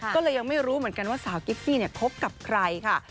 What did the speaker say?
ก็เลยยังไม่รู้เหมือนกันว่าสาวกิฟฟี่คบกับใครค่ะ